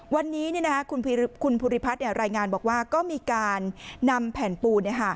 วันนี้คุณภูริพัฒน์รายงานบอกว่าก็มีการนำแผ่นปู